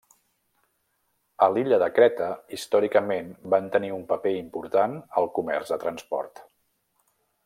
A l'illa de Creta, històricament van tenir un paper important al comerç de transport.